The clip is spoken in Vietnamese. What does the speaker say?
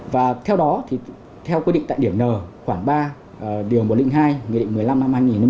và theo đó thì theo quy định tại điểm n khoảng ba điều một trăm linh hai nghị định một mươi năm năm hai nghìn một mươi